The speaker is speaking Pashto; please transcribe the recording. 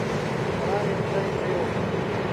سړی یو ځای پرېووت.